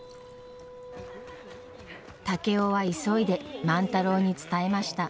竹雄は急いで万太郎に伝えました。